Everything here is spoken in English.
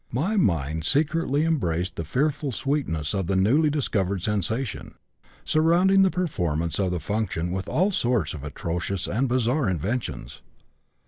My mind secretly embraced the fearful sweetness of the newly discovered sensation, surrounding the performance of the function with all sorts of atrocious and bizarre inventions.